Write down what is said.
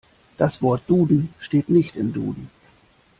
Das Wort Duden steht nicht im Duden.